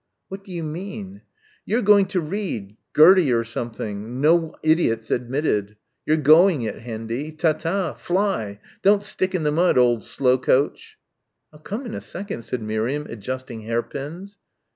"What do you mean?" "You're going to read Gerty, or something no idiots admitted. You're going it, Hendy. Ta ta. Fly! Don't stick in the mud, old slow coach." "I'll come in a second," said Miriam, adjusting hairpins.